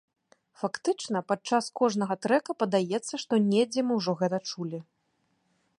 Фактычна, падчас кожнага трэка падаецца, што недзе мы ўжо гэта чулі.